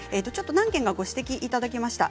何件かご指摘をいただきました。